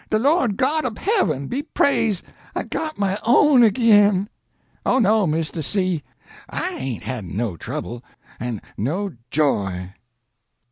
De Lord God ob heaven be praise', I got my own ag'in!' "Oh no' Misto C , I hain't had no trouble. An' no JOY!"